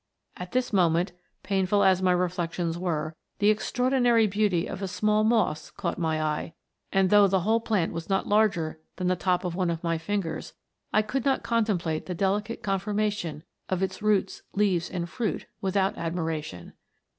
At this moment, painful as my reflections were, the extraordinary beauty of a small moss caught my eye; and though the whole plant was not larger than the top of one of my fingers, I could not contemplate the delicate conformation of its roots, leaves, and fruit, without admiration.